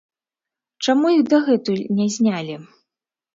Чаму іх дагэтуль не знялі?